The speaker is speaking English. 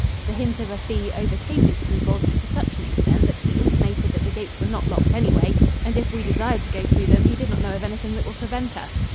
The hint of a fee overcame his scruples to such an extent that he intimated that the gates were not locked anyway and if we desired to go through them he did not know of anything that would prevent us.